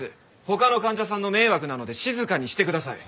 他の患者さんの迷惑なので静かにしてください。